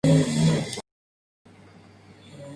Dispone de alojamiento y bar.